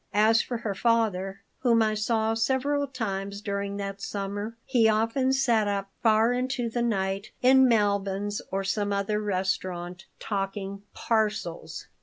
As for her father, whom I saw several times during that summer, he often sat up far into the night in Malbin's or some other restaurant, talking "parcels."